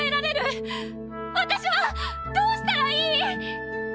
私はどうしたらいい？